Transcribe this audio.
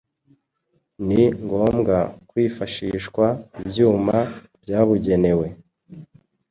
ni ngombwa kwifashishwa ibyuma byabugenewe.